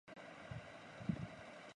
تم کسی کو کچھ نہیں بتاؤ گے